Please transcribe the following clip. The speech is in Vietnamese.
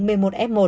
hai trường hợp mới